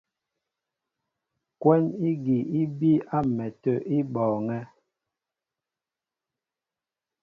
Kwɛ́n igi í bííy á m̀mɛtə̂ í bɔɔŋɛ́.